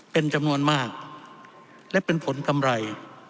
เป็นจำนวนมากและเป็นผลกำไร